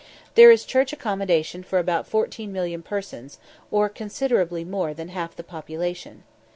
There is church accommodation for about 14,000,000 persons, or considerably more than half the population.